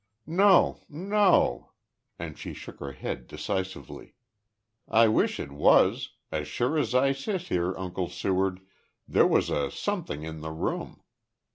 "No, no," and she shook her head, decisively. "I wish it was. As sure as I sit here, Uncle Seward, there was a Something in the room.